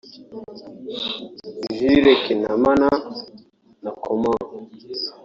Joel Kinnaman na Common